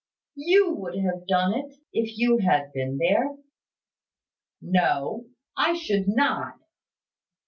"You would have done it, if you had been there." "No: I should not."